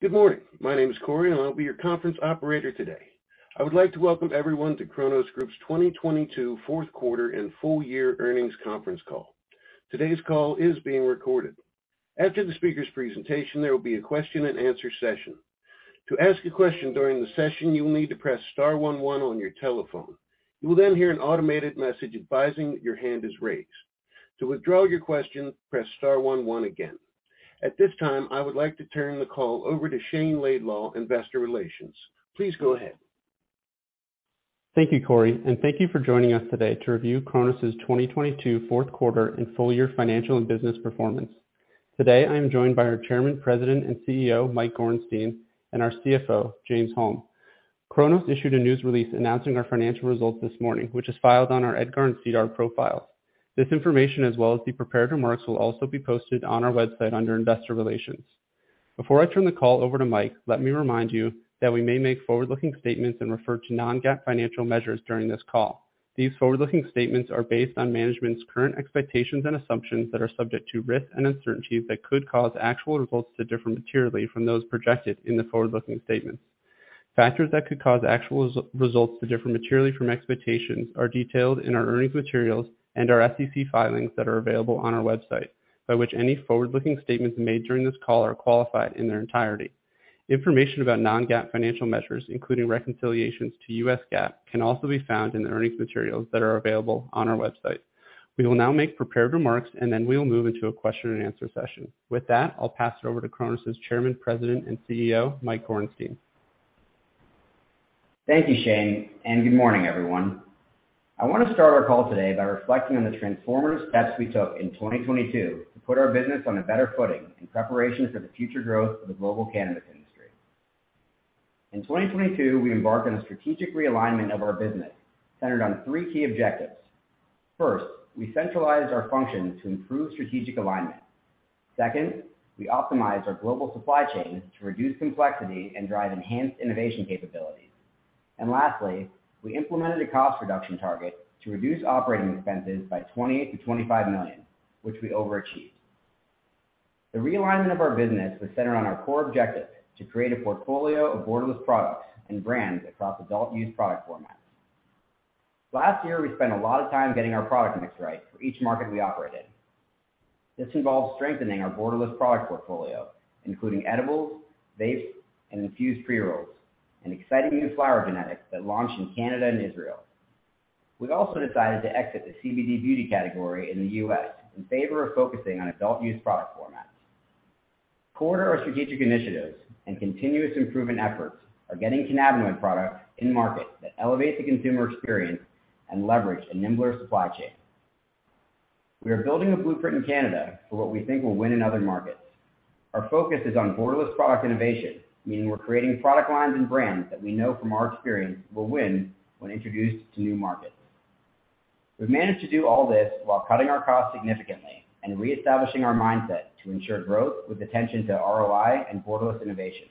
Good morning. My name is Corey, and I'll be your conference Operator today. I would like to welcome everyone to Cronos Group's 2022 Fourth Quarter and Full Year Earnings Conference Call. Today's call is being recorded. After the speaker's presentation, there will be a question and answer session. To ask a question during the session, you will need to press star one one on your telephone. You will hear an automated message advising that your hand is raised. To withdraw your question, press star one one again. At this time, I would like to turn the call over to Shayne Laidlaw, Investor Relations. Please go ahead. Thank you, Corey, and thank you for joining us today to review Cronos' 2022 Fourth Quarter and Full Year Financial and Business Performance. Today, I am joined by our Chairman, President, and CEO, Mike Gorenstein, and our CFO, James Holm. Cronos issued a news release announcing our financial results this morning, which is filed on our EDGAR and SEDAR profiles. This information, as well as the prepared remarks, will also be posted on our website under Investor Relations. Before I turn the call over to Mike, let me remind you that we may make forward-looking statements and refer to non-GAAP financial measures during this call. These forward-looking statements are based on management's current expectations and assumptions that are subject to risks and uncertainties that could cause actual results to differ materially from those projected in the forward-looking statements. Factors that could cause actual results to differ materially from expectations are detailed in our earnings materials and our SEC filings that are available on our website, by which any forward-looking statements made during this call are qualified in their entirety. Information about non-GAAP financial measures, including reconciliations to U.S. GAAP, can also be found in the earnings materials that are available on our website. We will now make prepared remarks. We will move into a question-and-answer session. With that, I'll pass it over to Cronos' Chairman, President, and CEO, Mike Gorenstein. Thank you, Shayne, and good morning, everyone. I want to start our call today by reflecting on the transformative steps we took in 2022 to put our business on a better footing in preparation for the future growth of the global cannabis industry. In 2022, we embarked on a strategic realignment of our business centered on three key objectives. First, we centralized our functions to improve strategic alignment. Second, we optimized our global supply chain to reduce complexity and drive enhanced innovation capabilities. Lastly, we implemented a cost reduction target to reduce operating expenses by $28 million-$25 million, which we overachieved. The realignment of our business was centered on our core objective to create a portfolio of borderless products and brands across adult use product formats. Last year, we spent a lot of time getting our product mix right for each market we operate in. This involves strengthening our borderless product portfolio, including edibles, vapes, and infused pre-rolls, and exciting new flower genetics that launched in Canada and Israel. We also decided to exit the CBD beauty category in the U.S. in favor of focusing on adult use product formats. Core to our strategic initiatives and continuous improvement efforts are getting cannabinoid products in market that elevate the consumer experience and leverage a nimbler supply chain. We are building a blueprint in Canada for what we think will win in other markets. Our focus is on borderless product innovation, meaning we're creating product lines and brands that we know from our experience will win when introduced to new markets. We've managed to do all this while cutting our costs significantly and reestablishing our mindset to ensure growth with attention to ROI and borderless innovation.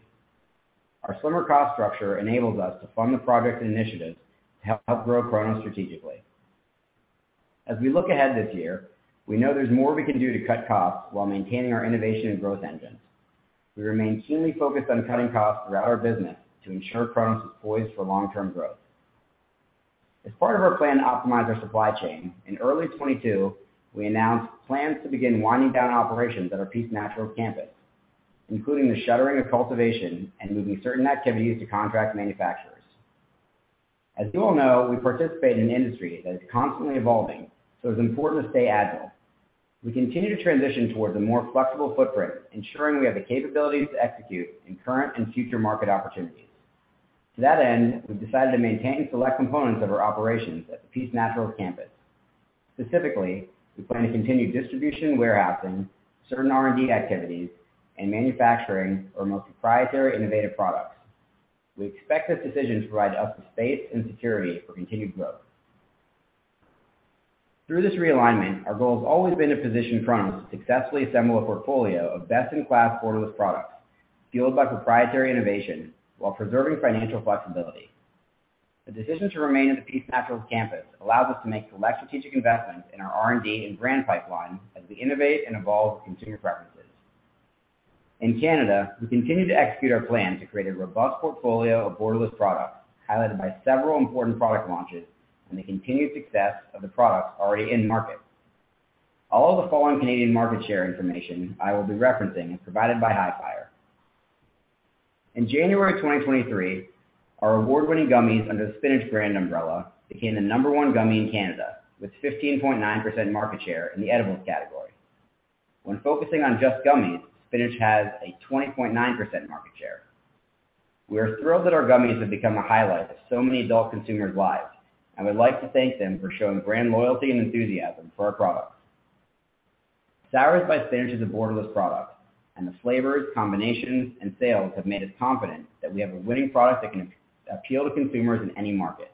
Our slimmer cost structure enables us to fund the project initiatives to help grow Cronos strategically. We look ahead this year, we know there's more we can do to cut costs while maintaining our innovation and growth engines. We remain keenly focused on cutting costs throughout our business to ensure Cronos is poised for long-term growth. Part of our plan to optimize our supply chain, in early 2022, we announced plans to begin winding down operations at our Peace Naturals campus, including the shuttering of cultivation and moving certain activities to contract manufacturers. You all know, we participate in an industry that is constantly evolving, it's important to stay agile. We continue to transition towards a more flexible footprint, ensuring we have the capabilities to execute in current and future market opportunities. To that end, we've decided to maintain select components of our operations at the Peace Naturals campus. Specifically, we plan to continue distribution, warehousing, certain R&D activities, and manufacturing our most proprietary innovative products. We expect this decision to provide us with space and security for continued growth. Through this realignment, our goal has always been to position Cronos to successfully assemble a portfolio of best-in-class borderless products fueled by proprietary innovation while preserving financial flexibility. The decision to remain at the Peace Naturals campus allows us to make select strategic investments in our R&D and brand pipeline as we innovate and evolve with consumer preferences. In Canada, we continue to execute our plan to create a robust portfolio of borderless products, highlighted by several important product launches and the continued success of the products already in market. All of the following Canadian market share information I will be referencing is provided by Hifyre. In January 2023, our award-winning gummies under the Spinach brand umbrella became the number one gummy in Canada, with 15.9% market share in the edibles category. When focusing on just gummies, Spinach has a 20.9% market share. We are thrilled that our gummies have become a highlight of so many adult consumers' lives, and we'd like to thank them for showing brand loyalty and enthusiasm for our products. SOURZ by Spinach is a borderless product, and the flavors, combinations, and sales have made us confident that we have a winning product that can appeal to consumers in any market.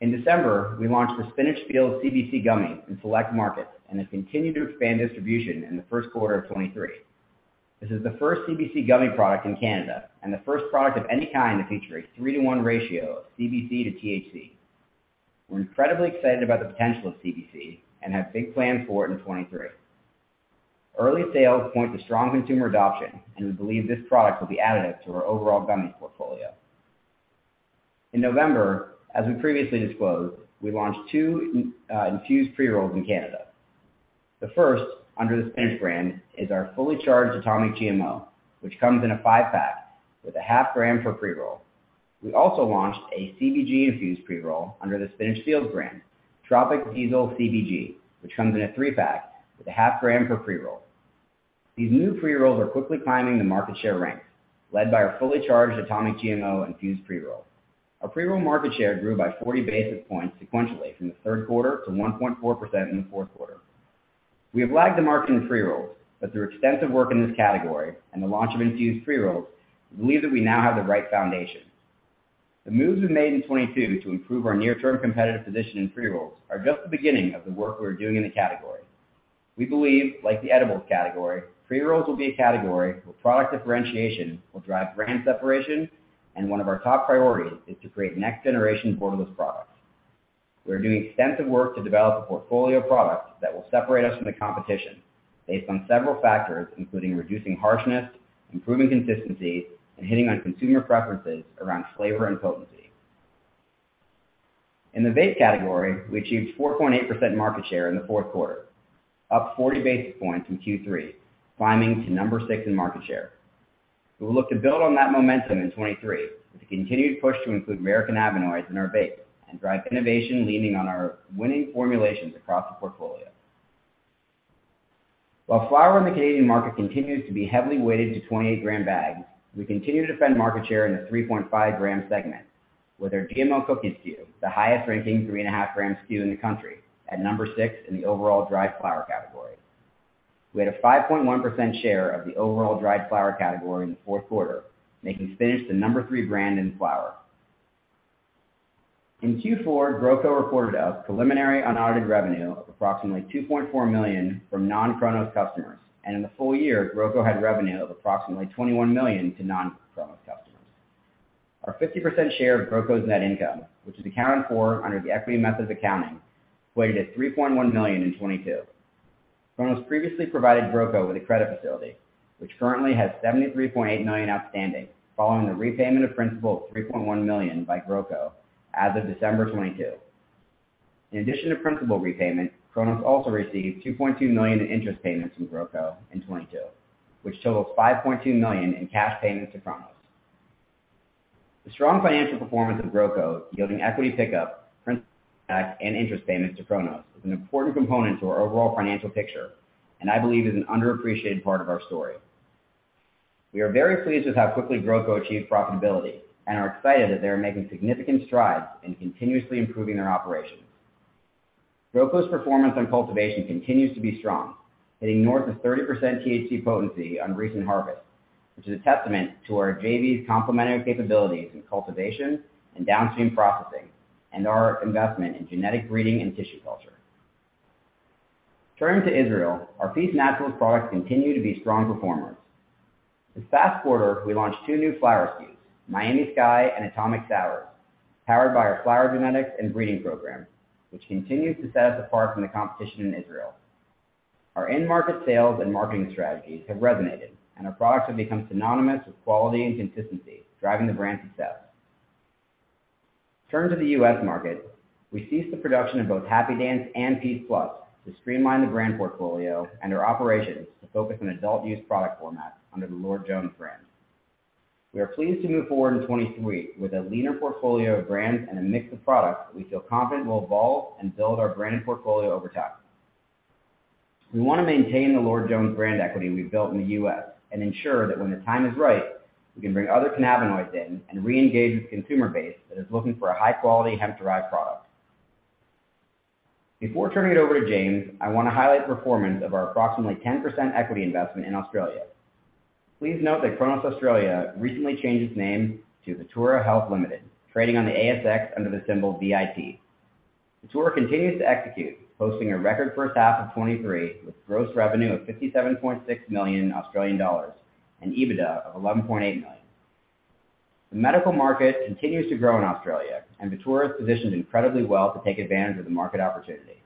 In December, we launched the Spinach FEELZ CBC gummy in select markets and have continued to expand distribution in the first quarter of 2023. This is the first CBC gummy product in Canada and the first product of any kind to feature a 3:1 ratio of CBC to THC. We're incredibly excited about the potential of CBC and have big plans for it in 2023. Early sales point to strong consumer adoption, and we believe this product will be additive to our overall gummies portfolio. In November, as we previously disclosed, we launched two infused pre-rolls in Canada. The first, under the Spinach brand, is our Fully Charged Atomic GMO, which comes in a five-pack with a 0.5 g per pre-roll. We also launched a CBG-infused pre-roll under the Spinach FEELZ brand, Tropic Diesel CBG, which comes in a three-pack with a 0.5 g per pre-roll. These new pre-rolls are quickly climbing the market share ranks, led by our Fully Charged Atomic GMO-infused pre-roll. Our pre-roll market share grew by 40 basis points sequentially from the third quarter to 1.4% in the fourth quarter. We have lagged the market in pre-rolls, but through extensive work in this category and the launch of infused pre-rolls, we believe that we now have the right foundation. The moves we've made in 2022 to improve our near-term competitive position in pre-rolls are just the beginning of the work we are doing in the category. We believe, like the edibles category, pre-rolls will be a category where product differentiation will drive brand separation, and one of our top priorities is to create next-generation borderless products. We are doing extensive work to develop a portfolio of products that will separate us from the competition based on several factors, including reducing harshness, improving consistency, and hitting on consumer preferences around flavor and potency. In the vape category, we achieved 4.8% market share in the fourth quarter, up 40 basis points from Q3, climbing to number six in market share. We will look to build on that momentum in 2023 with a continued push to include cannabinoids in our vapes and drive innovation leaning on our winning formulations across the portfolio. While flower in the Canadian market continues to be heavily weighted to 28 g bags, we continue to defend market share in the 3.5 g segment with our GMO Cookies SKU, the highest-ranking 3.5 g SKU in the country at number 6 in the overall dried flower category. We had a 5.1% share of the overall dried flower category in the fourth quarter, making Spinach the number three brand in flower. In Q4, GrowCo reported a preliminary unaudited revenue of approximately $2.4 million from non-Cronos customers. In the full year, GrowCo had revenue of approximately $21 million to non-Cronos customers. Our 50% share of GrowCo's net income, which is accounted for under the equity method of accounting, equated to $3.1 million in 2022. Cronos previously provided Cronos GrowCo with a credit facility, which currently has $73.8 million outstanding following the repayment of principal of $3.1 million by GrowCo as of December 2022. In addition to principal repayment, Cronos also received $2.2 million in interest payments from GrowCo in 2022, which totals $5.2 million in cash payments to Cronos. The strong financial performance of GrowCo yielding equity pickup, principal and interest payments to Cronos is an important component to our overall financial picture. I believe is an underappreciated part of our story. We are very pleased with how quickly GrowCo achieved profitability and are excited that they are making significant strides in continuously improving their operations. GrowCo's performance on cultivation continues to be strong, hitting north of 30% THC potency on recent harvests, which is a testament to our JV's complementary capabilities in cultivation and downstream processing and our investment in genetic breeding and tissue culture. Turning to Israel, our Peace Naturals products continue to be strong performers. This past quarter, we launched two new flower SKUs, Miami Sky and Atomic Sour, powered by our flower genetics and breeding program, which continues to set us apart from the competition in Israel. Our end-market sales and marketing strategies have resonated, and our products have become synonymous with quality and consistency, driving the brand success. Turning to the U.S. market, we ceased the production of both Happy Dance and PEACE+ to streamline the brand portfolio and our operations to focus on adult use product formats under the Lord Jones brand. We are pleased to move forward in 2023 with a leaner portfolio of brands and a mix of products that we feel confident will evolve and build our brand portfolio over time. We want to maintain the Lord Jones brand equity we've built in the U.S. and ensure that when the time is right, we can bring other cannabinoids in and reengage with the consumer base that is looking for a high-quality hemp-derived product. Before turning it over to James, I want to highlight the performance of our approximately 10% equity investment in Australia. Please note that Cronos Australia recently changed its name to Vitura Health Limited, trading on the ASX under the symbol VIT. Vitura continues to execute, posting a record first half of 2023 with gross revenue of 57.6 million Australian dollars and EBITDA of 11.8 million. The medical market continues to grow in Australia. Vitura is positioned incredibly well to take advantage of the market opportunity.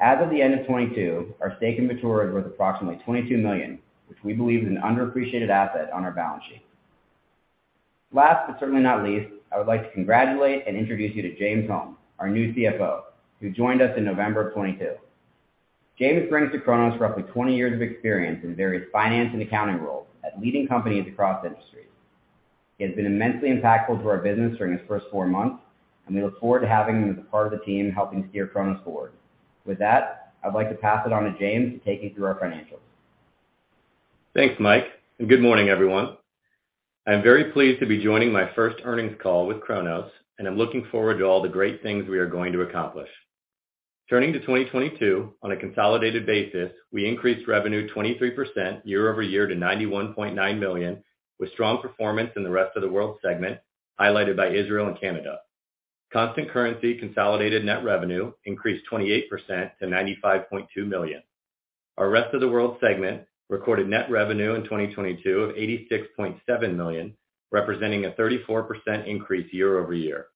As of the end of 2022, our stake in Vitura is worth approximately $22 million, which we believe is an underappreciated asset on our balance sheet. Last but certainly not least, I would like to congratulate and introduce you to James Holm, our new CFO, who joined us in November of 2022. James brings to Cronos roughly 20 years of experience in various finance and accounting roles at leading companies across industries. He has been immensely impactful to our business during his first four months, and we look forward to having him as a part of the team helping to steer Cronos forward. With that, I'd like to pass it on to James to take you through our financials. Thanks, Mike. Good morning, everyone. I'm very pleased to be joining my first earnings call with Cronos. I'm looking forward to all the great things we are going to accomplish. Turning to 2022, on a consolidated basis, we increased revenue 23% year-over-year to $91.9 million, with strong performance in the rest of the world segment highlighted by Israel and Canada. Constant currency consolidated net revenue increased 28% to $95.2 million. Our rest of the world segment recorded net revenue in 2022 of $86.7 million, representing a 34% increase year-over-year.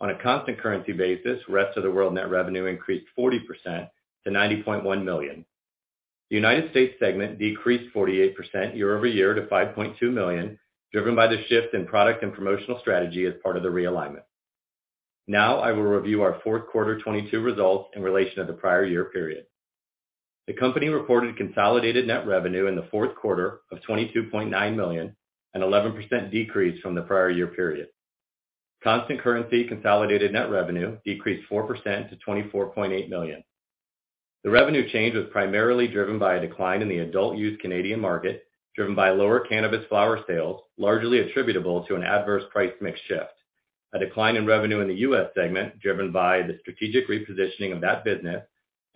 On a constant currency basis, rest of the world net revenue increased 40% to $90.1 million. The United States segment decreased 48% year-over-year to $5.2 million, driven by the shift in product and promotional strategy as part of the realignment. I will review our fourth quarter 2022 results in relation to the prior year period. The company reported consolidated net revenue in the fourth quarter of $22.9 million, an 11% decrease from the prior year period. Constant currency consolidated net revenue decreased 4% to $24.8 million. The revenue change was primarily driven by a decline in the adult use Canadian market, driven by lower cannabis flower sales, largely attributable to an adverse price mix shift. A decline in revenue in the U.S. segment, driven by the strategic repositioning of that business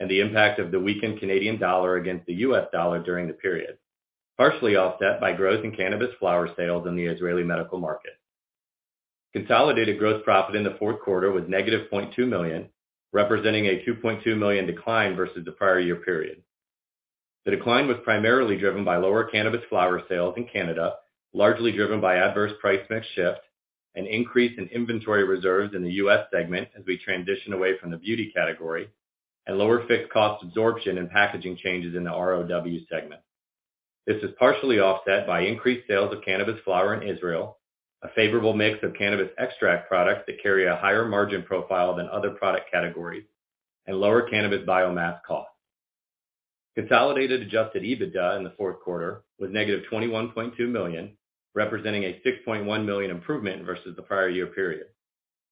and the impact of the weakened Canadian dollar against the U.S. dollar during the period, partially offset by growth in cannabis flower sales in the Israeli medical market. Consolidated gross profit in the fourth quarter was -$0.2 million, representing a $2.2 million decline versus the prior year period. The decline was primarily driven by lower cannabis flower sales in Canada, largely driven by adverse price mix shift, an increase in inventory reserves in the U.S. segment as we transition away from the beauty category, and lower fixed cost absorption and packaging changes in the ROW segment. This is partially offset by increased sales of cannabis flower in Israel, a favorable mix of cannabis extract products that carry a higher margin profile than other product categories, and lower cannabis biomass costs. Consolidated adjusted EBITDA in the fourth quarter was -$21.2 million, representing a $6.1 million improvement versus the prior year period.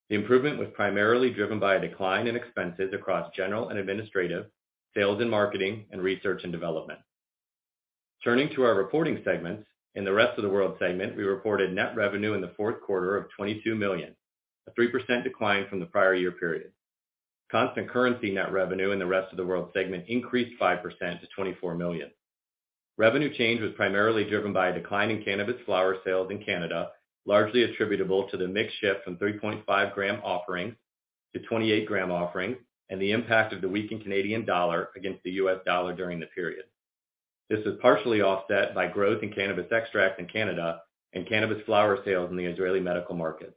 The improvement was primarily driven by a decline in expenses across general and administrative, sales and marketing, and research and development. Turning to our reporting segments, in the Rest of the World segment, we reported net revenue in the fourth quarter of $22 million, a 3% decline from the prior year period. Constant currency net revenue in the Rest of the World segment increased 5% to $24 million. Revenue change was primarily driven by a decline in cannabis flower sales in Canada, largely attributable to the mix shift from 3.5 g offerings to 28 gram offerings, and the impact of the weakened Canadian dollar against the US dollar during the period. This is partially offset by growth in cannabis extract in Canada and cannabis flower sales in the Israeli medical market.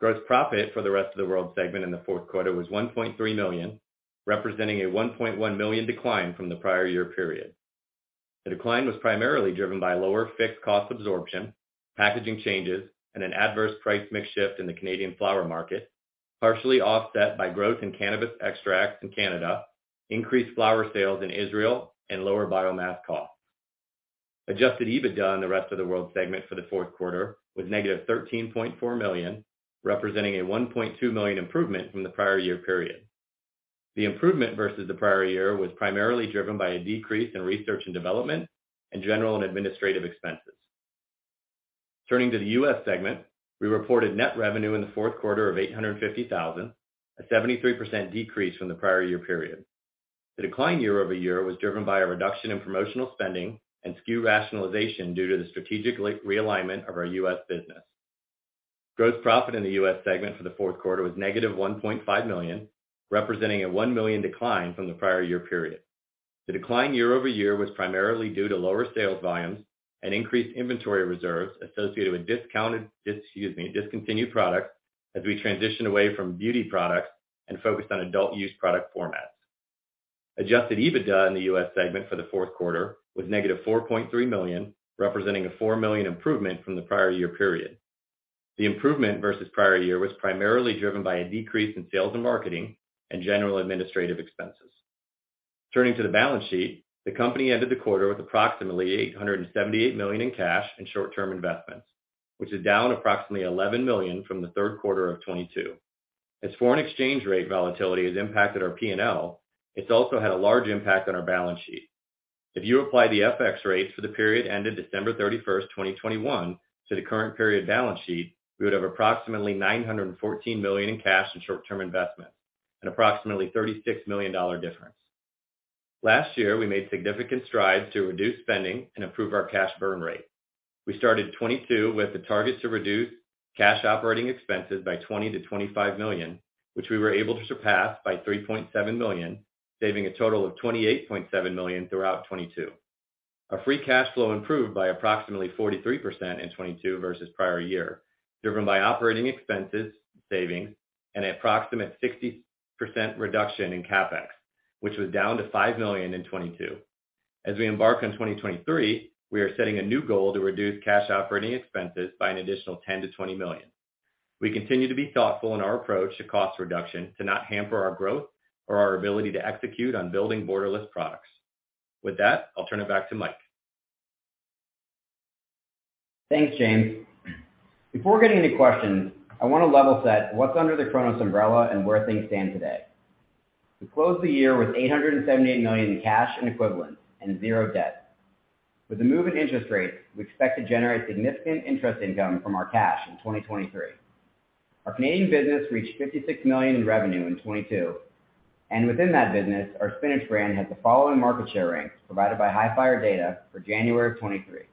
Gross profit for the Rest of the World segment in the fourth quarter was $1.3 million, representing a $1.1 million decline from the prior year period. The decline was primarily driven by lower fixed cost absorption, packaging changes, and an adverse price mix shift in the Canadian flower market, partially offset by growth in cannabis extracts in Canada, increased flower sales in Israel, and lower biomass costs. Adjusted EBITDA in the ROW segment for the fourth quarter was -$13.4 million, representing a $1.2 million improvement from the prior year period. The improvement versus the prior year was primarily driven by a decrease in research and development and general and administrative expenses. Turning to the U.S. segment, we reported net revenue in the fourth quarter of $850,000, a 73% decrease from the prior year period. The decline year-over-year was driven by a reduction in promotional spending and SKU rationalization due to the strategic re-realignment of our U.S. business. Gross profit in the U.S. segment for the fourth quarter was -$1.5 million, representing a $1 million decline from the prior year period. The decline year-over-year was primarily due to lower sales volumes and increased inventory reserves associated with discontinued products as we transition away from beauty products and focused on adult-use product formats. Adjusted EBITDA in the U.S. segment for the fourth quarter was -$4.3 million, representing a $4 million improvement from the prior year period. The improvement versus prior year was primarily driven by a decrease in sales and marketing and general administrative expenses. Turning to the balance sheet, the company ended the quarter with approximately $878 million in cash and short-term investments, which is down approximately $11 million from the third quarter of 2022. As foreign exchange rate volatility has impacted our P&L, it's also had a large impact on our balance sheet. If you apply the FX rates for the period ended December 31st, 2021 to the current period balance sheet, we would have approximately $914 million in cash and short-term investments, an approximately $36 million difference. Last year, we made significant strides to reduce spending and improve our cash burn rate. We started 2022 with the target to reduce cash operating expenses by $20 million-$25 million, which we were able to surpass by $3.7 million, saving a total of $28.7 million throughout 2022. Our free cash flow improved by approximately 43% in 2022 versus prior year, driven by operating expenses savings and an approximate 60% reduction in CapEx, which was down to $5 million in 2022. As we embark on 2023, we are setting a new goal to reduce cash operating expenses by an additional $10 million-$20 million. We continue to be thoughtful in our approach to cost reduction to not hamper our growth or our ability to execute on building borderless products. With that, I'll turn it back to Mike. Thanks, James. Before getting any questions, I wanna level set what's under the Cronos umbrella and where things stand today. We closed the year with $878 million in cash and equivalents and zero debt. With the move in interest rates, we expect to generate significant interest income from our cash in 2023. Our Canadian business reached $56 million in revenue in 2022, and within that business, our Spinach brand had the following market share ranks provided by Hifyre Data for January of 2023.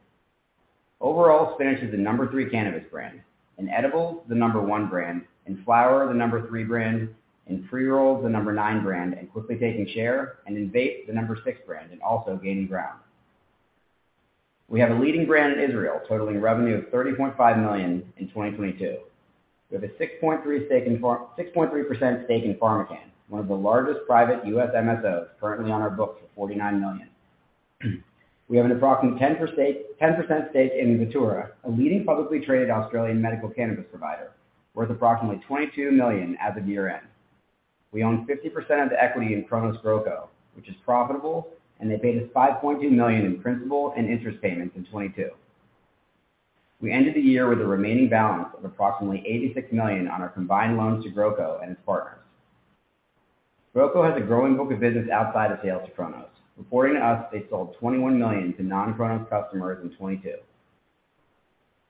Overall, Spinach is the number three cannabis brand. In edibles, the number one brand. In flower, the number three brand. In pre-rolls, the number nine brand, and quickly taking share. In vapes, the number six brand, and also gaining ground. We have a leading brand in Israel, totaling revenue of $30.5 million in 2022. We have a 6.3% stake in PharmaCann, one of the largest private U.S. MSOs currently on our books for $49 million. We have an approximate 10% stake in Vitura, a leading publicly traded Australian medical cannabis provider, worth approximately $22 million at the year-end. We own 50% of the equity in Cronos GrowCo, which is profitable, and they paid us $5.2 million in principal and interest payments in 2022. We ended the year with a remaining balance of approximately $86 million on our combined loans to GrowCo and its partners. GrowCo has a growing book of business outside of sales to Cronos. Reporting to us, they sold $21 million to non-Cronos customers in 2022.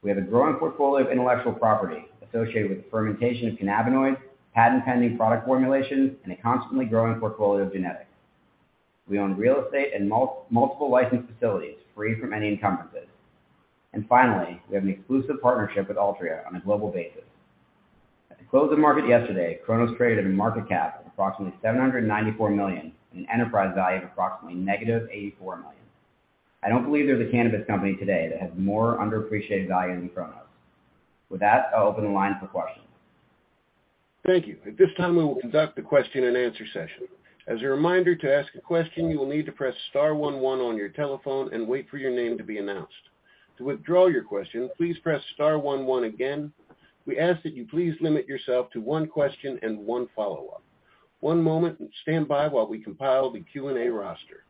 We have a growing portfolio of intellectual property associated with the fermentation of cannabinoids, patent-pending product formulations, and a constantly growing portfolio of genetics. We own real estate and multiple licensed facilities free from any encumbrances. Finally, we have an exclusive partnership with Altria on a global basis. At the close of market yesterday, Cronos traded at a market cap of approximately $794 million, and an enterprise value of approximately -$84 million. I don't believe there's a cannabis company today that has more underappreciated value than Cronos. With that, I'll open the line for questions. Thank you. At this time, we will conduct a question and answer session. As a reminder, to ask a question, you will need to press star one one on your telephone and wait for your name to be announced. To withdraw your question, please press star one one again. We ask that you please limit yourself to one question and one follow-up. One moment and stand by while we compile the Q&A roster.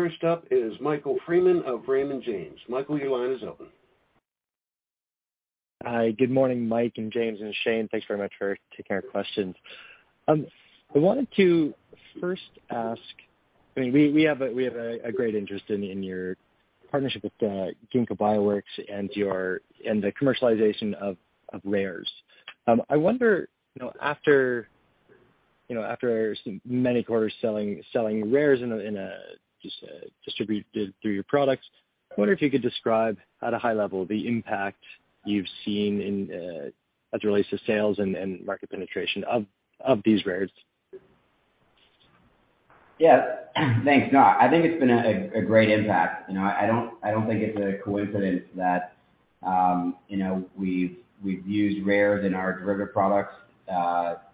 First up is Michael Freeman of Raymond James. Michael, your line is open. Hi, good morning, Mike and James and Shayne. Thanks very much for taking our questions. I wanted to first ask, I mean, we have a great interest in your partnership with Ginkgo Bioworks and the commercialization of Rares. I wonder, you know, after many quarters selling Rares in a just distributed through your products, I wonder if you could describe at a high level the impact you've seen in as it relates to sales and market penetration of these Rares. Yeah. Thanks. No, I think it's been a great impact. You know, I don't, I don't think it's a coincidence that, you know, we've used rares in our derivative products,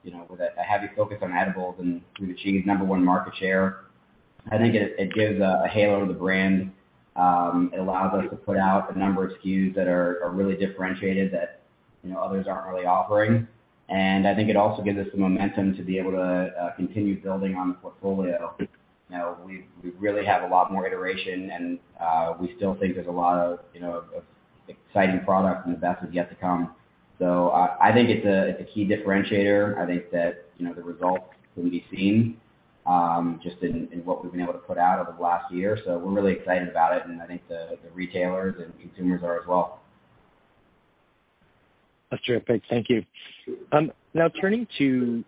you know, with a heavy focus on edibles, and we've achieved number one market share. I think it gives a halo to the brand. It allows us to put out a number of SKUs that are really differentiated that, you know, others aren't really offering. I think it also gives us the momentum to be able to continue building on the portfolio. You know, we really have a lot more iteration and we still think there's a lot of exciting products and the best is yet to come. I think it's a key differentiator. I think that, you know, the results can be seen just in what we've been able to put out over the last year. We're really excited about it. I think the retailers and consumers are as well. That's terrific. Thank you. Now turning to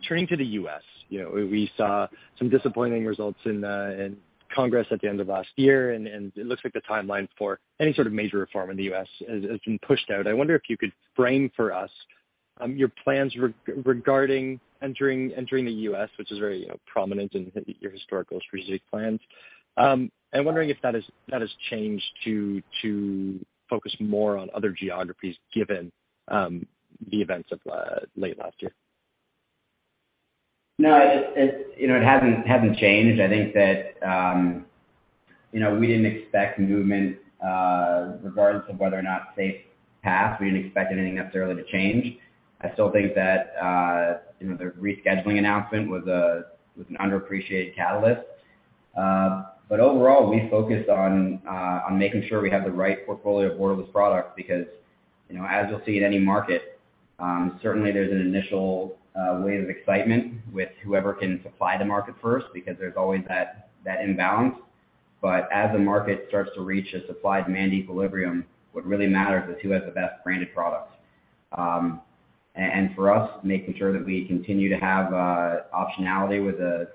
the U.S., you know, we saw some disappointing results in Congress at the end of last year, and it looks like the timeline for any sort of major reform in the U.S. has been pushed out. I wonder if you could frame for us your plans regarding entering the U.S., which is very, you know, prominent in your historical strategic plans. Wondering if that has changed to focus more on other geographies given the events of late last year. No, you know, it hasn't changed. I think that, you know, we didn't expect movement regardless of whether or not SAFE passed. We didn't expect anything necessarily to change. I still think that, you know, the rescheduling announcement was an underappreciated catalyst. Overall, we focused on making sure we have the right portfolio of borderless products because, you know, as you'll see in any market, certainly there's an initial wave of excitement with whoever can supply the market first because there's always that imbalance. As the market starts to reach a supply-demand equilibrium, what really matters is who has the best branded product. And for us, making sure that we continue to have, you know, optionality with a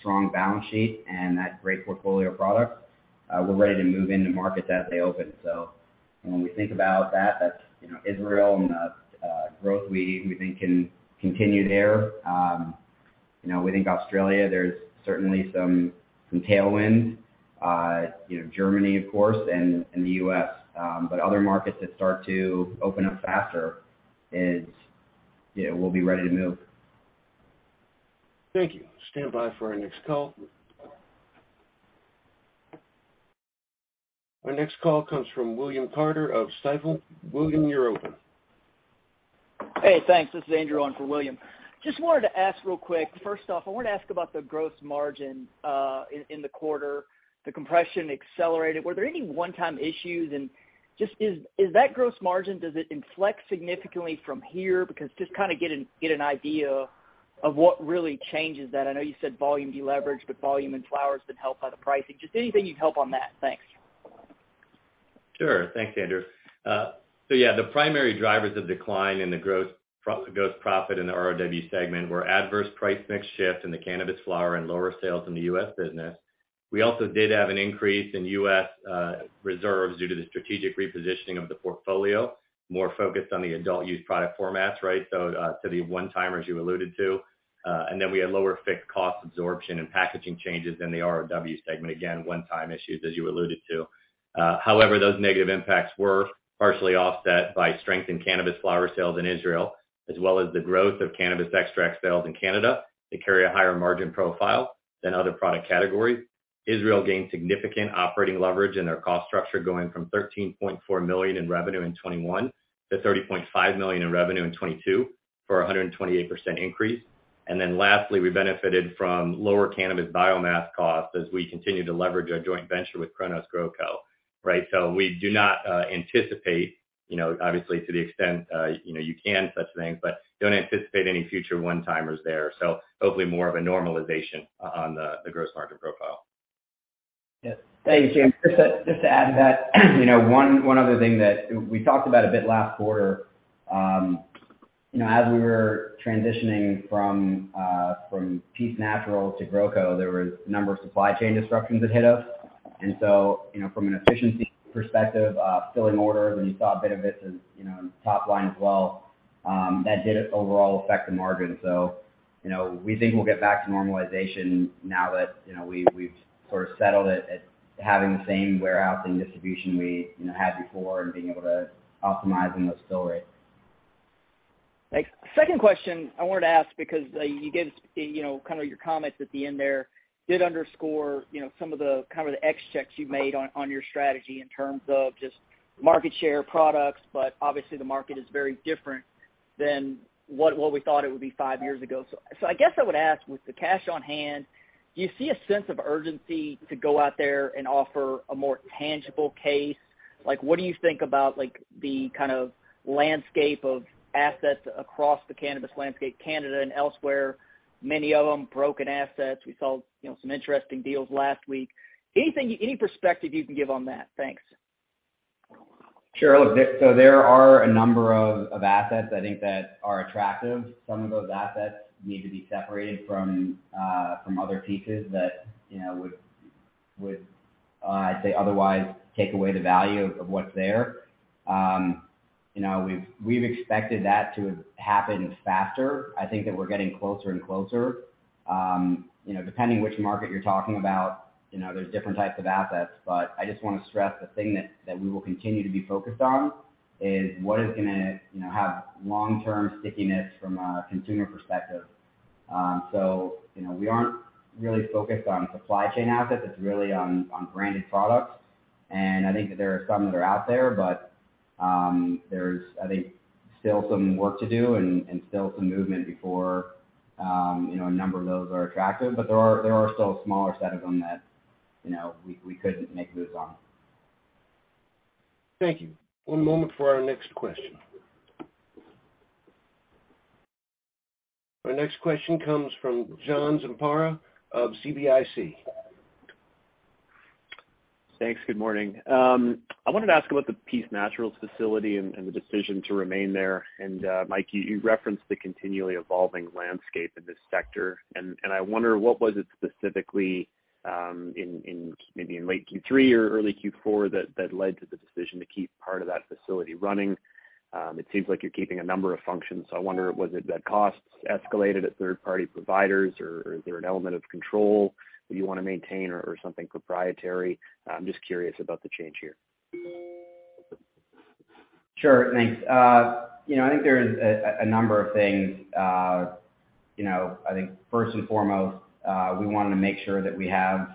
strong balance sheet and that great portfolio of products, we're ready to move into markets as they open. When we think about that's, you know, Israel and the growth we think can continue there. You know, we think Australia, there's certainly some tailwind, you know, Germany of course, and the U.S.. But other markets that start to open up faster is, you know, we'll be ready to move. Thank you. Stand by for our next call. Our next call comes from William Carter of Stifel. William, you're open. Hey, thanks. This is Andrew on for William. Just wanted to ask real quick. First off, I wanted to ask about the gross margin in the quarter. The compression accelerated. Were there any one-time issues? Just is that gross margin, does it inflect significantly from here? Because just kind of get an idea of what really changes that. I know you said volume deleverage, but volume and flowers been helped by the pricing. Just anything you'd help on that. Thanks. Sure. Thanks, Andrew. Yeah, the primary drivers of decline in the gross profit in the ROW segment were adverse price mix shift in the cannabis flower and lower sales in the U.S. business. We also did have an increase in U.S. reserves due to the strategic repositioning of the portfolio, more focused on the adult use product formats, right? To the one-timers you alluded to. Then we had lower fixed cost absorption and packaging changes in the ROW segment, again, one-time issues, as you alluded to. However, those negative impacts were partially offset by strength in cannabis flower sales in Israel, as well as the growth of cannabis extract sales in Canada. They carry a higher margin profile than other product categories. Israel gained significant operating leverage in their cost structure, going from $13.4 million in revenue in 2021 to $30.5 million in revenue in 2022 for a 128% increase. Lastly, we benefited from lower cannabis biomass costs as we continue to leverage our joint venture with Cronos GrowCo, right? We do not anticipate, you know, obviously to the extent, you know, you can such things, but don't anticipate any future one-timers there. Hopefully more of a normalization on the gross margin profile. Yeah. Thanks, James. Just to add to that, you know, one other thing that we talked about a bit last quarter, you know, as we were transitioning from Peace Naturals to GrowCo, there was a number of supply chain disruptions that hit us. You know, from an efficiency perspective, filling orders, and you saw a bit of this as, you know, in the top line as well, that did overall affect the margin. You know, we think we'll get back to normalization now that, you know, we've sort of settled at having the same warehousing distribution you know, had before and being able to optimizing those fill rates. Thanks. Second question I wanted to ask, because you gave us, you know, kind of your comments at the end there did underscore, you know, some of the kind of the X checks you've made on your strategy in terms of just market share products, but obviously the market is very different than what we thought it would be five years ago. I guess I would ask, with the cash on hand, do you see a sense of urgency to go out there and offer a more tangible case? Like, what do you think about like the kind of landscape of assets across the cannabis landscape, Canada and elsewhere, many of them broken assets. We saw, you know, some interesting deals last week. Anything, any perspective you can give on that? Thanks. Sure. Look, so there are a number of assets I think that are attractive. Some of those assets need to be separated from other pieces that, you know, would, I'd say, otherwise take away the value of what's there. You know, we've expected that to happen faster. I think that we're getting closer and closer. You know, depending which market you're talking about, you know, there's different types of assets. I just wanna stress the thing that we will continue to be focused on is what is gonna, you know, have long-term stickiness from a consumer perspective. So, you know, we aren't really focused on supply chain assets. It's really on branded products. I think that there are some that are out there. There's, I think, still some work to do and still some movement before, you know, a number of those are attractive. There are still a smaller set of them that, you know, we could make moves on. Thank you. One moment for our next question. Our next question comes from John Zamparo of CIBC. Thanks. Good morning. I wanted to ask about the Peace Naturals facility and the decision to remain there. Mike, you referenced the continually evolving landscape in this sector. I wonder what was it specifically, maybe in late Q3 or early Q4 that led to the decision to keep part of that facility running? It seems like you're keeping a number of functions. I wonder was it that costs escalated at third party providers, or is there an element of control that you wanna maintain or something proprietary? I'm just curious about the change here. Sure. Thanks. You know, I think there is a number of things. You know, I think first and foremost, we wanted to make sure that we have,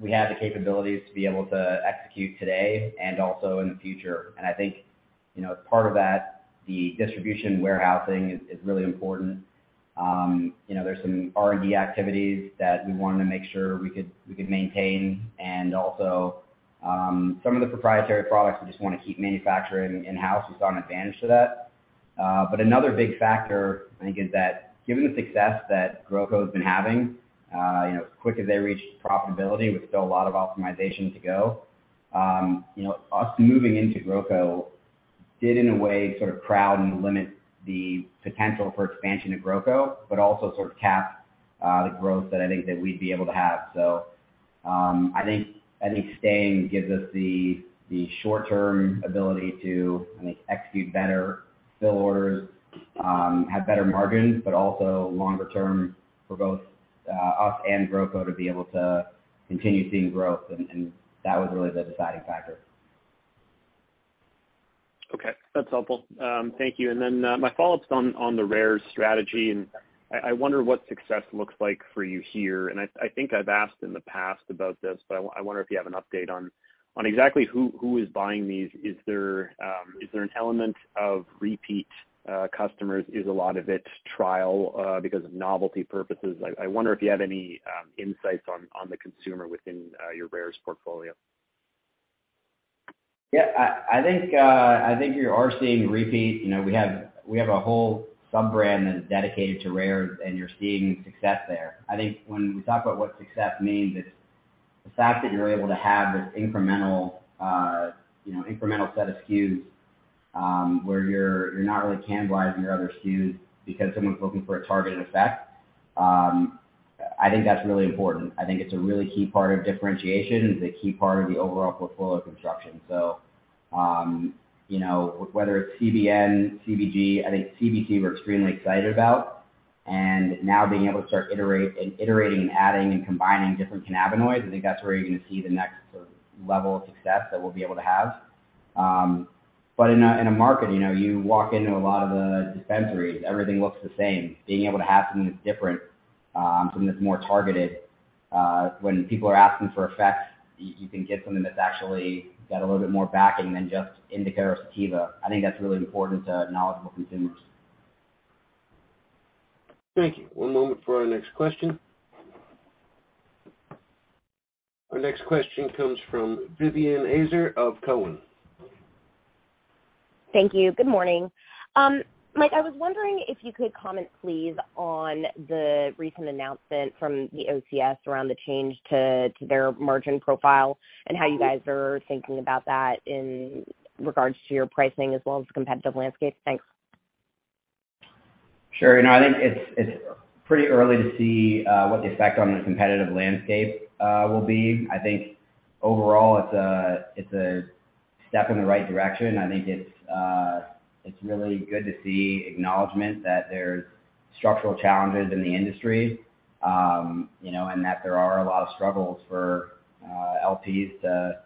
we have the capabilities to be able to execute today and also in the future. I think, you know, as part of that, the distribution warehousing is really important. You know, there's some R&D activities that we wanted to make sure we could maintain and also, some of the proprietary products we just wanna keep manufacturing in-house. We saw an advantage to that. Another big factor I think is that given the success that GrowCo's been having, you know, as quick as they reached profitability with still a lot of optimization to go, you know, us moving into GrowCo did in a way sort of crowd and limit the potential for expansion of GrowCo, but also sort of cap the growth that I think that we'd be able to have. I think staying gives us the short term ability to, I think, execute better fill orders, have better margins, but also longer term for both us and GrowCo to be able to continue seeing growth and that was really the deciding factor. Okay. That's helpful. Thank you. My follow-up's on the Rares strategy, I wonder what success looks like for you here. I think I've asked in the past about this, but I wonder if you have an update on exactly who is buying these. Is there an element of repeat customers? Is a lot of it trial because of novelty purposes? I wonder if you have any insights on the consumer within your Rares portfolio. Yeah, I think, I think you are seeing repeat. You know, we have, we have a whole sub-brand that is dedicated to Rare, and you're seeing success there. I think when we talk about what success means, it's the fact that you're able to have this incremental, you know, incremental set of SKUs, where you're not really cannibalizing your other SKUs because someone's looking for a targeted effect. I think that's really important. I think it's a really key part of differentiation. It's a key part of the overall portfolio construction. You know, whether it's CBN, CBG, I think CBC we're extremely excited about. Now being able to start iterate, iterating and adding and combining different cannabinoids, I think that's where you're gonna see the next sort of level of success that we'll be able to have. In a market, you know, you walk into a lot of the dispensaries, everything looks the same. Being able to have something that's different, something that's more targeted, when people are asking for effects, you can get something that's actually got a little bit more backing than just indica or sativa. I think that's really important to knowledgeable consumers. Thank you. One moment for our next question. Our next question comes from Vivien Azer of Cowen. Thank you. Good morning. Mike, I was wondering if you could comment please on the recent announcement from the OCS around the change to their margin profile and how you guys are thinking about that in regards to your pricing as well as the competitive landscape. Thanks. Sure. You know, I think it's pretty early to see what the effect on the competitive landscape will be. I think overall, it's a, it's a step in the right direction. I think it's really good to see acknowledgment that there's structural challenges in the industry, you know, and that there are a lot of struggles for LPs to,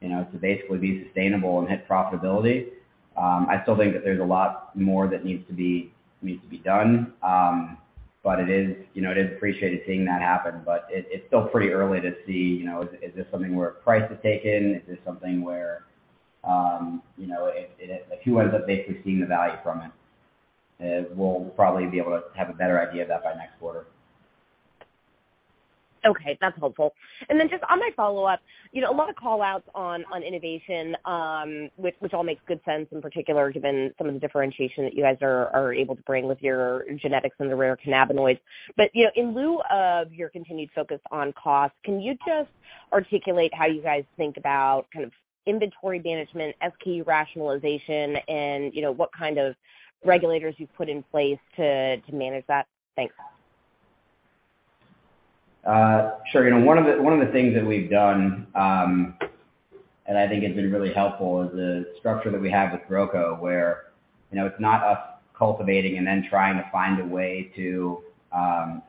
you know, to basically be sustainable and hit profitability. I still think that there's a lot more that needs to be done. It is, you know, I did appreciate it seeing that happen. It, it's still pretty early to see, you know, is this something where price is taken? Is this something where, you know, If you end up basically seeing the value from it. We'll probably be able to have a better idea of that by next quarter. Okay, that's helpful. Then just on my follow-up, you know, a lot of call-outs on innovation, which all makes good sense, in particular, given some of the differentiation that you guys are able to bring with your genetics and the rare cannabinoids. You know, in lieu of your continued focus on cost, can you just articulate how you guys think about kind of inventory management, SKU rationalization, and, you know, what kind of regulators you've put in place to manage that? Thanks. Sure. You know, one of the things that we've done, I think it's been really helpful, is the structure that we have with GrowCo where, you know, it's not us cultivating and then trying to find a way to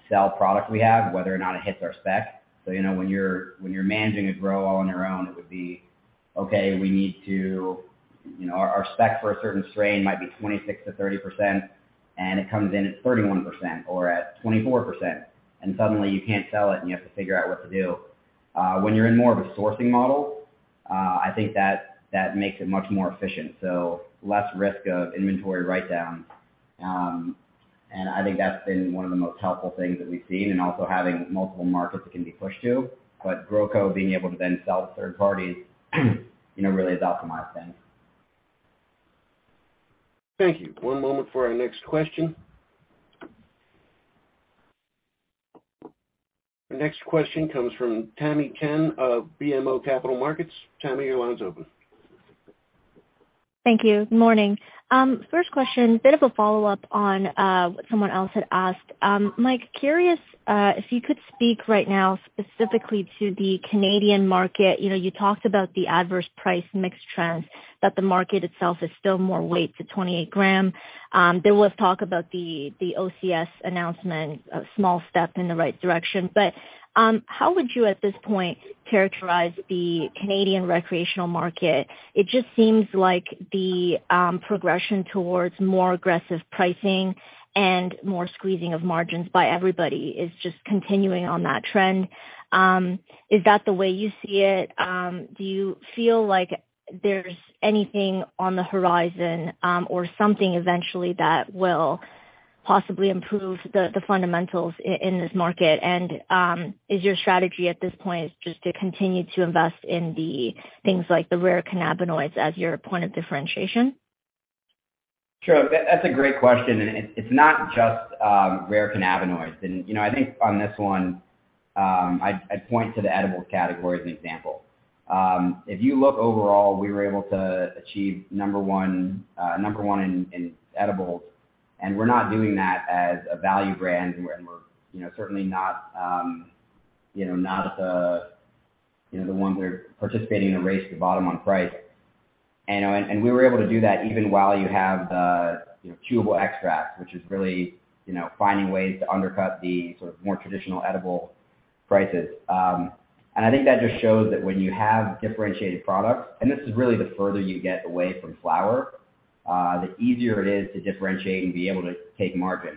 sell product we have, whether or not it hits our spec. You know, when you're managing a grow all on your own, it would be, okay, we need to. You know, our spec for a certain strain might be 26%-30%. It comes in at 31% or at 24%. Suddenly you can't sell it. You have to figure out what to do. When you're in more of a sourcing model, I think that makes it much more efficient. Less risk of inventory write-downs. I think that's been one of the most helpful things that we've seen and also having multiple markets that can be pushed to. GrowCo being able to then sell to third parties, you know, really has optimized things. Thank you. One moment for our next question. Our next question comes from Tamy Chen of BMO Capital Markets. Tammy, your line's open. Thank you. Morning. First question, bit of a follow-up on what someone else had asked. Mike, curious, if you could speak right now specifically to the Canadian market. You know, you talked about the adverse price mix trends, that the market itself is still more weight to 28 g. There was talk about the OCS announcement, a small step in the right direction. How would you at this point characterize the Canadian recreational market? It just seems like the progression towards more aggressive pricing and more squeezing of margins by everybody is just continuing on that trend. Is that the way you see it? Do you feel like there's anything on the horizon, or something eventually that will possibly improve the fundamentals in this market? Is your strategy at this point just to continue to invest in the things like the rare cannabinoids as your point of differentiation? Sure. That's a great question, and it's not just rare cannabinoids. You know, I think on this one, I'd point to the edibles category as an example. If you look overall, we were able to achieve number 1, number 1 in edibles, and we're not doing that as a value brand and we're, you know, certainly not, you know, not the, you know, the ones that are participating in a race to the bottom on price. We were able to do that even while you have the, you know, chewable extracts, which is really, you know, finding ways to undercut the sort of more traditional edible prices. I think that just shows that when you have differentiated products, and this is really the further you get away from flower, the easier it is to differentiate and be able to take market.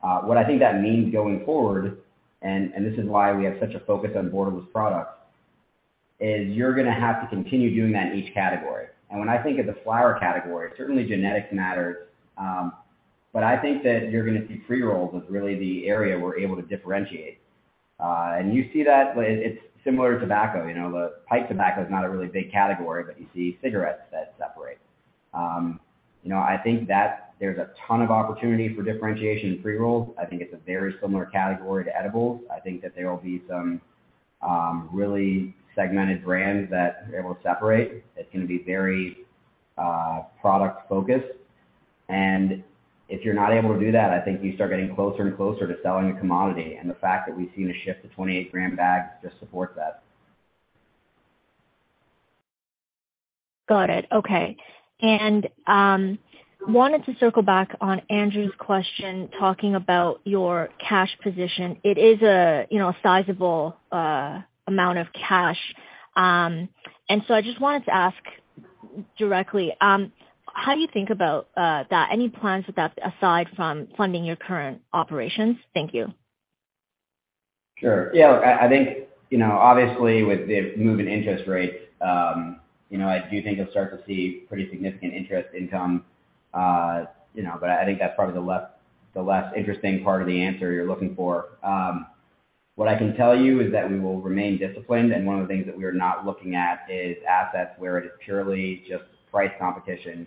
What I think that means going forward, and this is why we have such a focus on borderless products, is you're gonna have to continue doing that in each category. When I think of the flower category, certainly genetics matters, but I think that you're gonna see pre-rolls as really the area we're able to differentiate. You see that, but it's similar to tobacco. You know, the pipe tobacco is not a really big category, but you see cigarettes that separate. You know, I think that there's a ton of opportunity for differentiation in pre-rolls. I think it's a very similar category to edibles. I think that there will be some, really segmented brands that are able to separate. It's gonna be very, product focused. If you're not able to do that, I think you start getting closer and closer to selling a commodity. The fact that we've seen a shift to 28 gram bags just supports that. Got it. Okay. Wanted to circle back on Andrew's question talking about your cash position. It is a, you know, sizable amount of cash. And so I just wanted to ask directly, how do you think about that? Any plans with that aside from funding your current operations? Thank you. Sure. Yeah, I think, you know, obviously with the move in interest rates, you know, I do think you'll start to see pretty significant interest income, you know. I think that's probably the less interesting part of the answer you're looking for. What I can tell you is that we will remain disciplined, and one of the things that we are not looking at is assets where it is purely just price competition,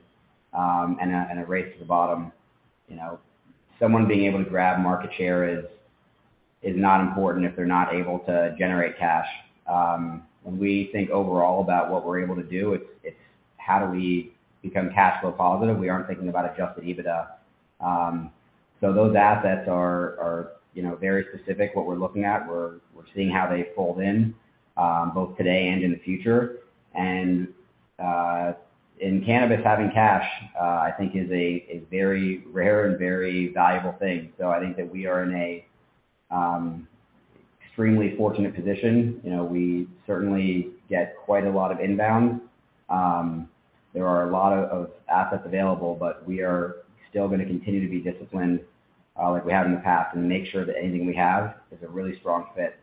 and a race to the bottom. You know, someone being able to grab market share is not important if they're not able to generate cash. When we think overall about what we're able to do, it's how do we become cash flow positive. We aren't thinking about adjusted EBITDA. Those assets are, you know, very specific what we're looking at. We're seeing how they fold in, both today and in the future. In cannabis, having cash, I think is a very rare and very valuable thing. I think that we are in a extremely fortunate position. You know, we certainly get quite a lot of inbound. There are a lot of assets available, we are still gonna continue to be disciplined, like we have in the past and make sure that anything we have is a really strong fit.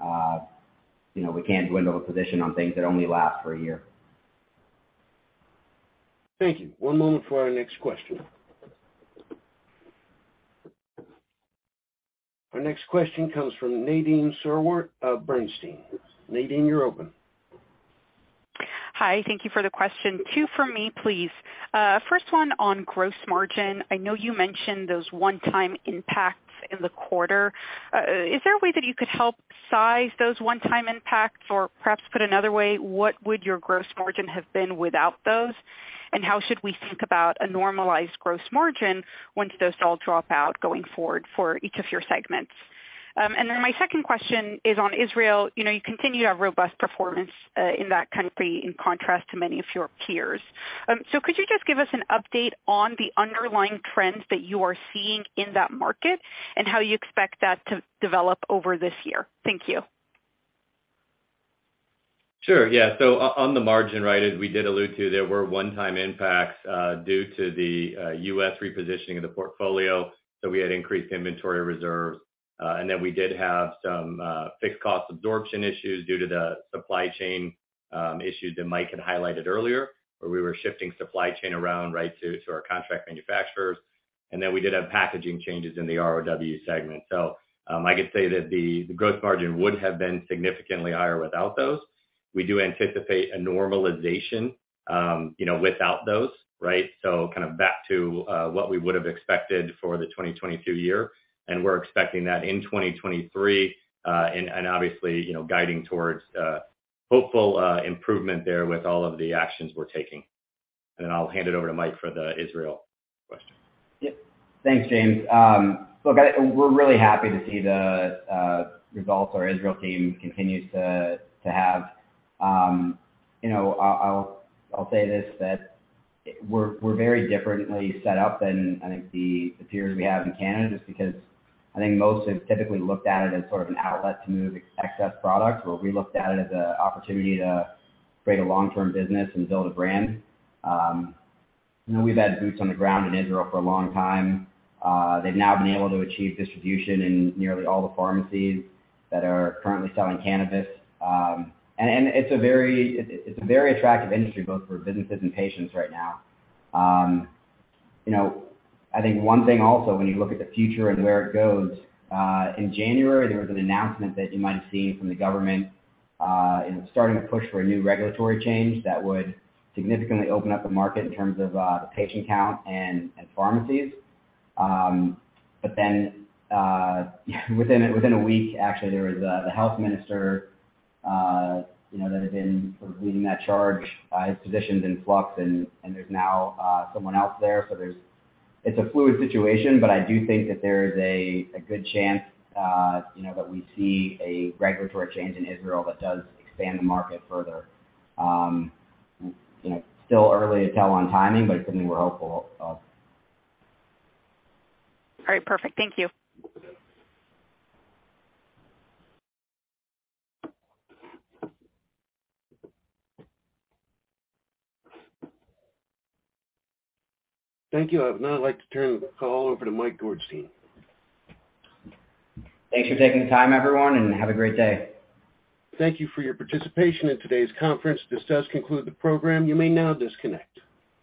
You know, we can't dwindle a position on things that only last for a year. Thank you. One moment for our next question. Our next question comes from Nadine Sarwat of Bernstein. Nadine, you're open. Hi. Thank you for the question. Two from me, please. First one on gross margin. I know you mentioned those one-time impacts in the quarter. Is there a way that you could help size those one-time impacts? Perhaps put another way, what would your gross margin have been without those? How should we think about a normalized gross margin once those all drop out going forward for each of your segments? My second question is on Israel. You know, you continue to have robust performance in that country in contrast to many of your peers. Could you just give us an update on the underlying trends that you are seeing in that market and how you expect that to develop over this year? Thank you. Sure. On the margin, right, as we did allude to, there were one-time impacts due to the U.S. repositioning of the portfolio. We had increased inventory reserves, and then we did have some fixed cost absorption issues due to the supply chain issues that Mike had highlighted earlier, where we were shifting supply chain around, right, to our contract manufacturers. We did have packaging changes in the ROW segment. I could say that the gross margin would have been significantly higher without those. We do anticipate a normalization, you know, without those, right? kind of back to what we would have expected for the 2022 year, and we're expecting that in 2023. Obviously, you know, guiding towards hopeful improvement there with all of the actions we're taking. I'll hand it over to Mike for the Israel question. Yeah. Thanks, James. look, we're really happy to see the results our Israel team continues to have. you know, I'll say this, that we're very differently set up than, I think, the peers we have in Canada, just because I think most have typically looked at it as sort of an outlet to move excess product, where we looked at it as a opportunity to create a long-term business and build a brand. you know, we've had boots on the ground in Israel for a long time. They've now been able to achieve distribution in nearly all the pharmacies that are currently selling cannabis. it's a very, it's a very attractive industry both for businesses and patients right now. You know, I think one thing also when you look at the future and where it goes, in January, there was an announcement that you might have seen from the government, in starting to push for a new regulatory change that would significantly open up the market in terms of the patient count and pharmacies. Within a week, actually, there was the health minister, you know, that had been sort of leading that charge, his position's in flux and there's now someone else there. It's a fluid situation, but I do think that there is a good chance, you know, that we see a regulatory change in Israel that does expand the market further. You know, still early to tell on timing, but it's something we're hopeful of. All right. Perfect. Thank you. Thank you. I would now like to turn the call over to Mike Gorenstein. Thanks for taking the time, everyone, and have a great day. Thank you for your participation in today's conference. This does conclude the program. You may now disconnect.